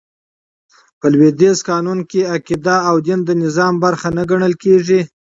په لوېدیځ قانون کښي عقیده او دين د نظام برخه نه ګڼل کیږي.